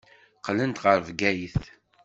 Qqlent ɣer Bgayet.